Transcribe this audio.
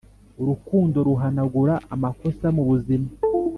urukundo ruhanagura amakosa mu buzima